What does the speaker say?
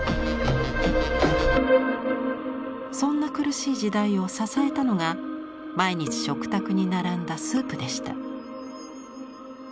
そんな苦しい時代を支えたのが毎日食卓に並んだスープでした。